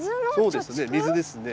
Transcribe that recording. そうですね水ですね。